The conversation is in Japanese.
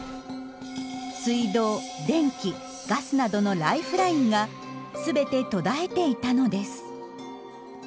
水道電気ガスなどのライフラインが全て途絶えていたのです。